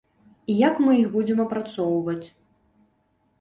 Як мы іх будзем апрацоўваць?